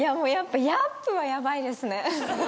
「ヤーップ」はヤバいですね。